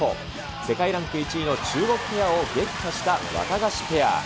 世界ランク１位の中国ペアを撃破したワタガシペア。